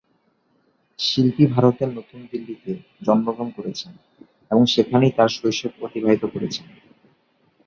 শিল্পী ভারতের নতুন দিল্লিতে জন্মগ্রহণ করেছেন এবং সেখানেই তাঁর শৈশব অতিবাহিত করেছেন।